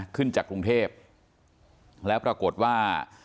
ขึ้นจากกรุงเทพแล้วปรากฏว่า